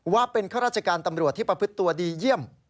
ว่าเป็นข้าราชการตำรวจที่ประพฤติตัวดีเยี่ยม